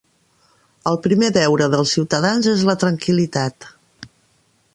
El primer deure dels ciutadans és la tranquil·litat